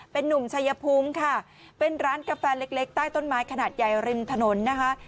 เป็นนุ่มชายภูมิค่ะเป็นร้านกาแฟเล็กใต้ต้นไม้ขนาดใหญ่ริมถนนนะคะ